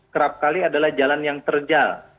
kerap kali adalah jalan yang terjal